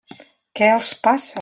Què els passa?